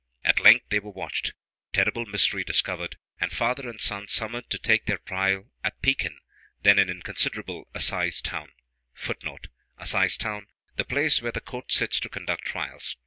At length they were watched, the terrible mystery discovered, and father and son summoned to take their trial at Pekin, then an inconsiderable assize town. [Footnote: Assize town: the place where the court sits to conduct trials.